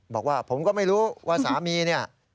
บอกว่าผมก็ไม่รู้ว่าสามีเนี่ย